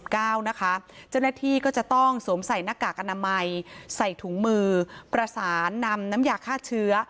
เจ้าหน้าที่ก็จะต้องสวมใส่หน้ากากอนามัยใส่ถุงมือประสานนำน้ำยาฆ่าเชื้อ